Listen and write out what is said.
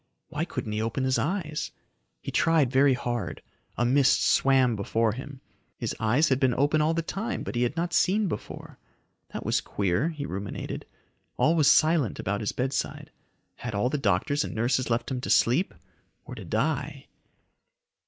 Why couldn't he open his eyes? He tried very hard. A mist swam before him. His eyes had been open all the time but he had not seen before. That was queer, he ruminated. All was silent about his bedside. Had all the doctors and nurses left him to sleep or to die?